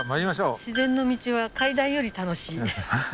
自然の道は階段より楽しい。